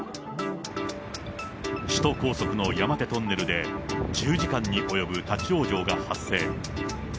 首都高速の山手トンネルで１０時間に及ぶ立往生が発生。